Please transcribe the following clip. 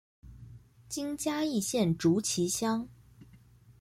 今嘉义县竹崎乡。